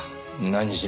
何しろ